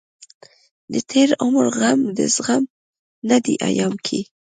دتېر عمر غم دزغم نه دی ايام کې